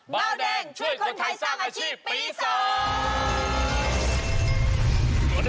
เบาแดงช่วยคนไทยสร้างอาชีพปีสอง